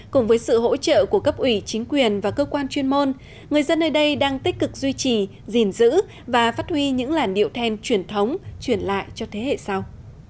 cùng với sự hỗ trợ của cấp ủy chính quyền và cơ quan chuyên môn người dân nơi đây đang tích cực duy trì gìn giữ và phát huy những làn điệu then truyền thống truyền lại cho thế hệ sau